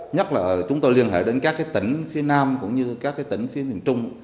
nhất là chúng tôi liên hệ đến các tỉnh phía nam cũng như các tỉnh phía miền trung